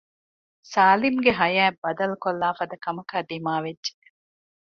ސާލިމްގެ ހަޔާތް ބަދަލުކޮށްލާފަދަ ކަމަކާ ދިމާވެއްޖެ